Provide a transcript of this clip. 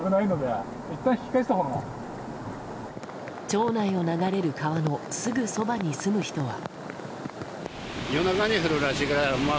町内を流れる川のすぐそばに住む人は。